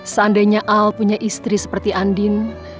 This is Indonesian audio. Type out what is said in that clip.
seandainya al punya istri seperti andin